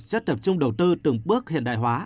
rất tập trung đầu tư từng bước hiện đại hóa